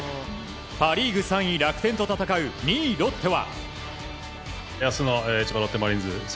パ・リーグ３位、楽天と戦う２位、ロッテは。